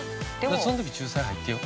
◆そのとき仲裁入ってよ。